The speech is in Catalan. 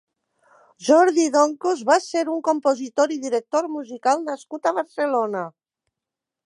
Jordi Doncos va ser un compositor i director musical nascut a Barcelona.